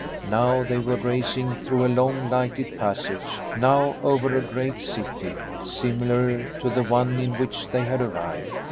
Now they were racing through a long lighted passage; now over a great city similar to the one in which they had arrived.